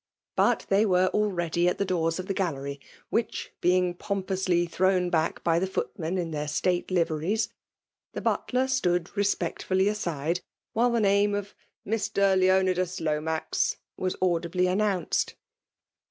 But they veie already at the doors of the gallery ; wliich^ being^m pously thrown back by the footmen in thek stsfte Uveries, the buUer stood Tespectfolly aside while the name of *' Mr. Ijeonidas Lo max *' was audibly announced.